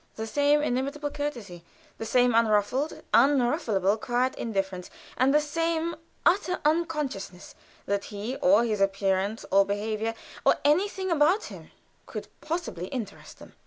The same inimitable courtesy, the same unruffled, unrufflable quiet indifference, and the same utter unconsciousness that he, or his appearance, or behavior, or anything about him, could possibly interest them.